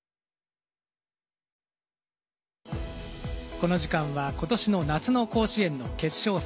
この時間は今年の夏の甲子園の決勝戦